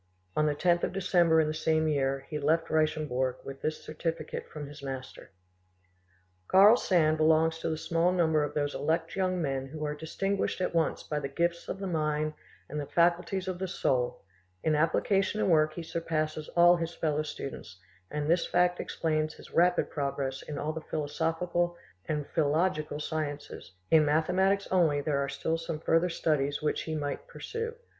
On the 10th of December in the same year he left Richembourg with this certificate from his master:— "Karl Sand belongs to the small number of those elect young men who are distinguished at once by the gifts of the mind and the faculties of the soul; in application and work he surpasses all his fellow students, and this fact explains his rapid progress in all the philosophical and philological sciences; in mathematics only there are still some further studies which he might pursue.